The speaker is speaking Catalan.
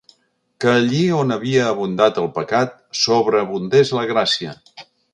Que allí on havia abundat el pecat, sobreabundés la gràcia.